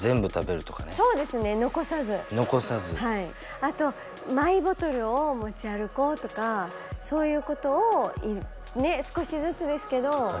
あとマイボトルを持ち歩こうとかそういうことを少しずつですけど。